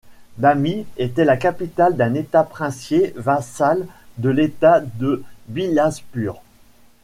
Dhami était la capitale d'un État princier vassal de l'État de Bilaspur.